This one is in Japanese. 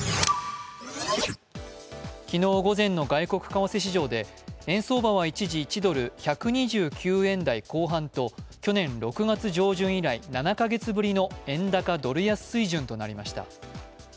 昨日午前の外国為替市場で円相場は一時１ドル＝１２９円台後半と去年６月上旬以来７か月ぶりの円高・ドル安水準となりました。